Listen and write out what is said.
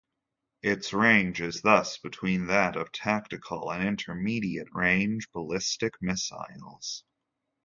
Its range is thus between that of tactical and intermediate-range ballistic missiles.